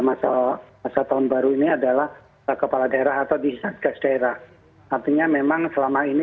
masa masa tahun baru ini adalah kepala daerah atau di satgas daerah artinya memang selama ini